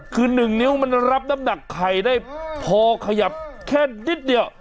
คือ๑นิ้วมันรับน้ำหนักไข่ได้พอขยับแค่นิดเดียว